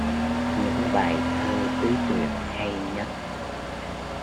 Những bài thơ tứ tuyệt hay nhất